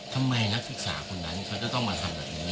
นักศึกษาคนนั้นเขาจะต้องมาทำแบบนี้